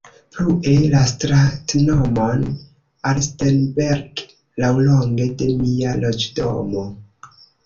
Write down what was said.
Plue, la stratnomon Alsenberger laŭlonge de mia loĝdomo.